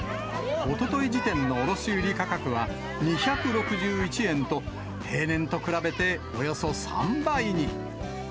おととい時点の卸売り価格は２６１円と、平年と比べておよそ３倍に。